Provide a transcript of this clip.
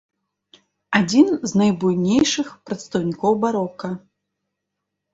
Адзін з найбуйнейшых прадстаўнікоў барока.